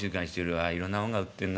ああいろんなもんが売ってんな。